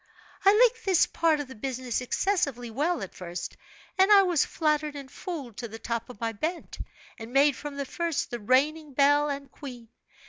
"I liked this part of the business excessively well at first, and I was flattered and fooled to the top of my bent, and made from the first, the reigning belle and queen.